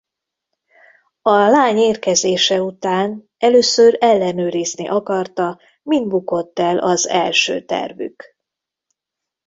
A lány érkezése után először ellenőrizni akarta min bukott el az első tervük.